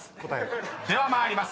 ［では参ります。